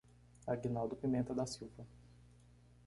Aguinaldo Pimenta da Silva